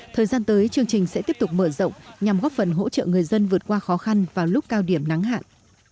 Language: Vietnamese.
thời gian tới chương trình sẽ tiếp tục mở rộng nhằm góp phần hỗ trợ người dân vượt qua khó khăn vào lúc cao điểm nắng hạn